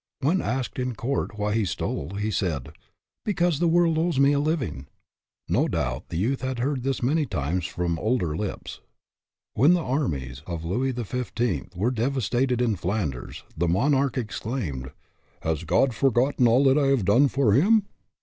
When asked in court why he stole, he said " Be cause the world owes me a living." No doubt the youth had heard this many times from older lips. When the armies of Louis XIV. were devas tated in Flanders, the monarch exclaimed: " Has God forgotten all that I have done for him